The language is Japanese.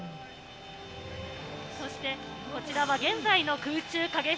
そしてこちらは現在の空中影